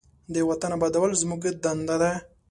د وطن آبادول زموږ دنده ده.